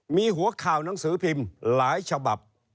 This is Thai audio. มีหัวข่าวหนังสือพิมพ์หลายฉบับ